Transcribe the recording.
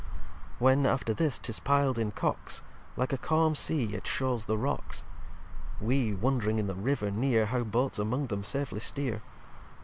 lv When after this 'tis pil'd in Cocks, Like a calm Sea it shews the Rocks: We wondring in the River near How Boats among them safely steer.